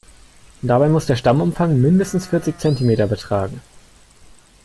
Dabei muss der Stammumfang mindestens vierzig Zentimeter betragen.